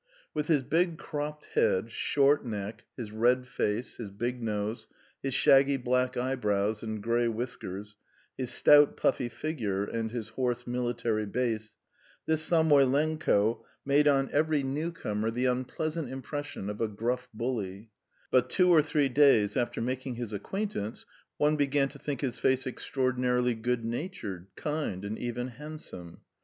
With his big cropped head, short neck, his red face, his big nose, his shaggy black eyebrows and grey whiskers, his stout puffy figure and his hoarse military bass, this Samoylenko made on every newcomer the unpleasant impression of a gruff bully; but two or three days after making his acquaintance, one began to think his face extraordinarily good natured, kind, and even handsome.